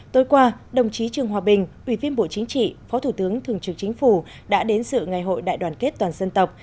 tối qua đồng chí trương hòa bình ủy viên bộ chính trị phó thủ tướng thường trực chính phủ đã đến sự ngày hội đại đoàn kết toàn dân tộc